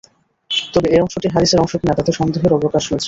তবে এ অংশটি হাদীসের অংশ কিনা তাতে সন্দেহের অবকাশ রয়েছে।